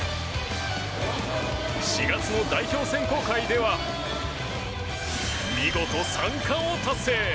４月の代表選考会では見事、３冠を達成。